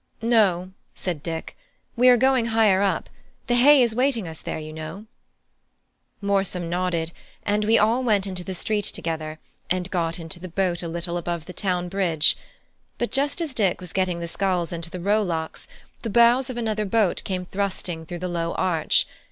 "No," said Dick, "we are going higher up; the hay is waiting us there, you know." Morsom nodded, and we all went into the street together, and got into the boat a little above the town bridge. But just as Dick was getting the sculls into the rowlocks, the bows of another boat came thrusting through the low arch.